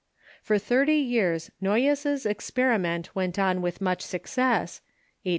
For thirty years Noyes's experiment went on with much success (1848 79).